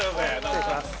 失礼します。